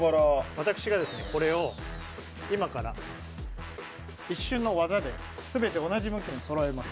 私がこれを今から一瞬の技で全て同じ向きにそろえます。